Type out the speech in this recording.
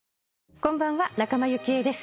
こんばんは仲間由紀恵です。